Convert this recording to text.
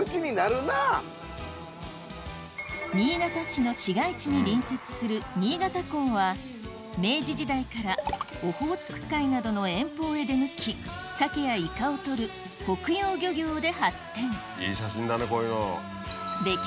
新潟市の市街地に隣接する新潟港は明治時代からオホーツク海などの遠方へ出向きサケやイカを取る北洋漁業で発展いい写真だね